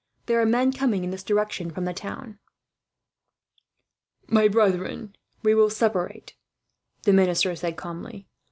There are men coming in this direction from the town." "My brethren, we will separate," the minister said calmly.